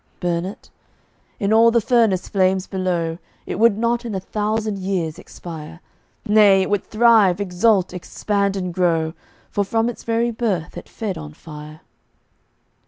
Burn it? In all the furnace flames below, It would not in a thousand years expire. Nay! it would thrive, exult, expand, and grow, For from its very birth it fed on fire.